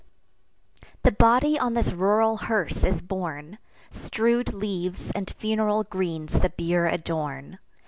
The body on this rural hearse is borne: Strew'd leaves and funeral greens the bier adorn.